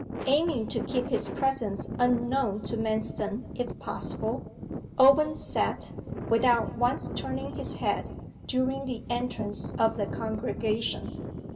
Aiming to keep his presence unknown to Manston if possible, Owen sat, without once turning his head, during the entrance of the congregation.